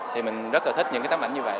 thì mình rất là thích những cái tấm ảnh như vậy